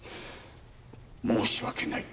申し訳ない。